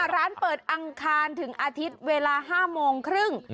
ร้านเปิดอังคารถึงอาทิตย์เวลา๕โมงครึ่ง